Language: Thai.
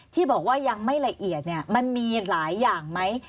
ที่บอกว่ายังไม่ละเอียดมันมีหลายอย่างไหม